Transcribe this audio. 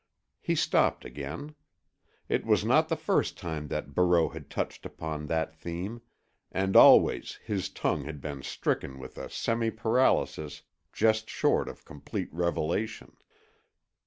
He stopped again. It was not the first time that Barreau had touched upon that theme, and always his tongue had been stricken with a semi paralysis just short of complete revelation.